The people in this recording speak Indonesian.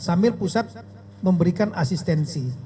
sambil pusat memberikan asistensi